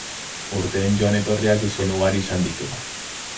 Urteen joan-etorrian, izen ugari izan ditu.